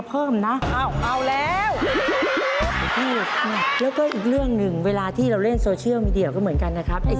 พี่ก้องครับพี่ก้องเล่นเฟซบุ๊กไหมครับ